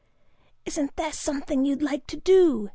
'Isn't there something you'd like to do?